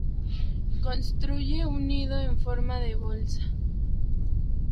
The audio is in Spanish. Construye un nido en forma de bolsa.